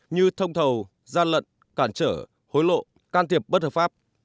như thông thầu gian lận cản trở hối lộ can thiệp bất hợp pháp